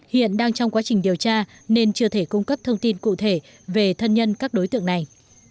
hiện đang trong quá trình điều tra nên chưa thể cung cấp thông tin cụ thể về thân nhân các đối tượng này